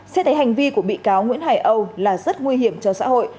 xét thấy hành vi của bị cáo nguyễn hải âu là rất nguy hiểm cho xã hội